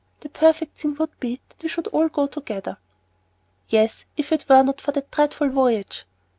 The perfect thing would be that we should all go together." "Yes, if it were not for that dreadful voyage."